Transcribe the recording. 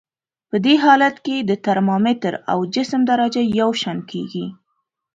په دې حالت کې د ترمامتر او جسم درجه یو شان کیږي.